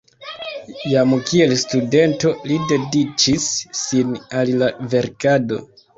Jam kiel studento li dediĉis sin al la verkado.